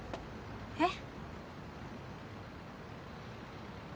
えっ？